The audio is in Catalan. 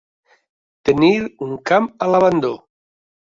Tenir un camp a l'abandó.